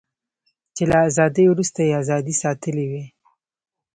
چې له ازادۍ وروسته یې ازادي ساتلې وي.